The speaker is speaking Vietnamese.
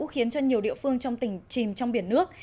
khiến cho nhiều địa phương trong tỉnh chìm trong biển nước